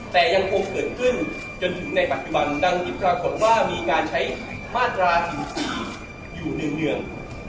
แต่ยังคงเกิดขึ้นจนถึงในปัจจุบันดังที่ปรากฏว่ามีการใช้มาตรา๔๔อยู่เนื่อง